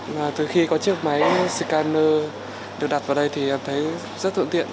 mà từ khi có chiếc máy scanner được đặt vào đây thì em thấy rất tượng tiện